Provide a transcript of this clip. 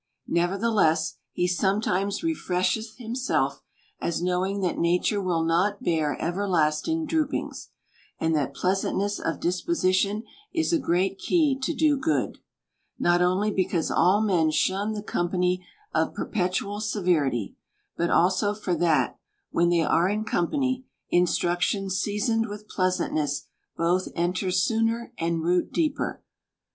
Nevertheless, he sometimes refresheth him self, as knowing that nature will not bear everlasting droopings, and that pleasantness of disposition is a great key to do good : not only because all men shun the com pany of perpetual severity ; but also for that, when they are in company, instructions seasoned with pleasantness both enter sooner, and root deeper.